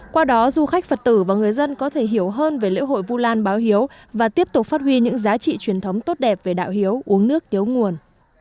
qua đó du khách phật tử và người dân có thể hiểu hơn về lễ hội vu lan báo hiếu và tiếp tục phát huy những giá trị truyền thống tốt đẹp về đạo hiếu uống nước nhớ nguồn